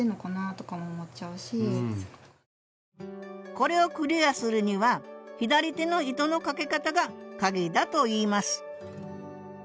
これをクリアするには左手の糸のかけ方がカギだといいます